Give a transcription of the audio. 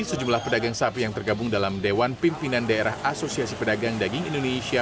sejumlah pedagang sapi yang tergabung dalam dewan pimpinan daerah asosiasi pedagang daging indonesia